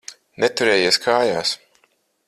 Neturējies kājās.